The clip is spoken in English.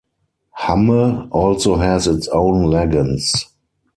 Hamme also has its own legends.